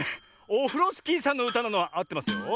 オフロスキーさんのうたなのはあってますよ。